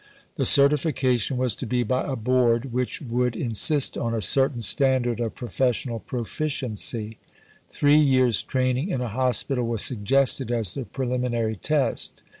The certification was to be by a Board which would insist on a certain standard of professional proficiency. Three years' training in a hospital was suggested as the preliminary test.